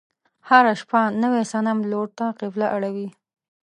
هره شپه نوي صنم لور ته قبله اوړي.